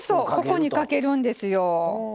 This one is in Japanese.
ここにかけるんですよ。